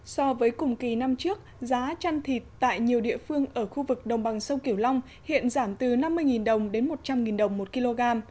so với cùng kỳ năm trước giá chăn thịt tại nhiều địa phương ở khu vực đồng bằng sông kiểu long hiện giảm từ năm mươi đồng đến một trăm linh đồng một kg